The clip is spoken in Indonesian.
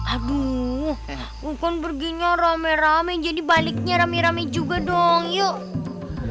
aduh bukan perginya rame rame jadi baliknya rame rame juga dong yuk